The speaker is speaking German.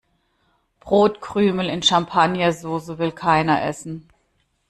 Brotkrümel in Champagnersoße will keiner essen.